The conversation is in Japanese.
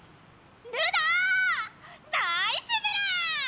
ナイスメラ！